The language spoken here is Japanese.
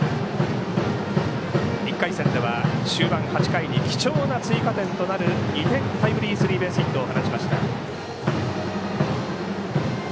１回戦では終盤８回に貴重な追加点となる２点タイムリースリーベースヒットを放ちました。